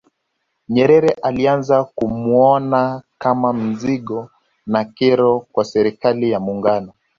Nyerere alianza kumuona kama mzigo na kero kwa Serikali ya Muungano